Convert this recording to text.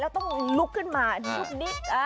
แล้วต้องลุกขึ้นมาดุกดิ๊ก